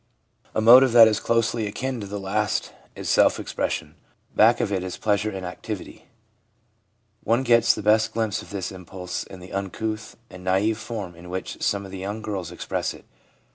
A motive that is closely akin to the last is self expression. Back of it is pleasure in activity. One gets the best glimpse of this impulse in the uncouth and naive form in which some of the young girls express it.